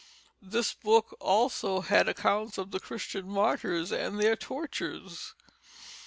This book also had accounts of the Christian martyrs and their tortures.